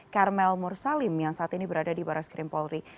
karmel mursalim yang saat ini berada di baras krim polri